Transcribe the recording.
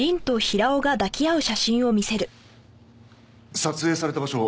撮影された場所